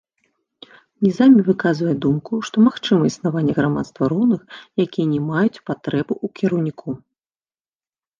Нізамі выказвае думку, што магчыма існаванне грамадства роўных, якія не маюць патрэбы ў кіраўніку.